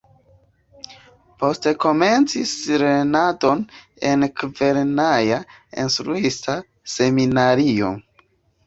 Poste komencis lernadon en kvarjara Instruista Seminario.